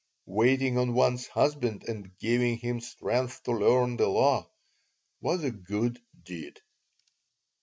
Waiting on one's husband and "giving him strength to learn the law" was a "good deed."